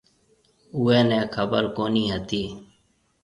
اُوئي نَي خبر ڪونهي هتي۔